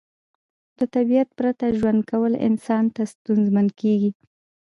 له طبیعت پرته ژوند کول انسان ته ستونزمن کیږي